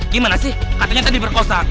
gimana sih katanya tadi berkosa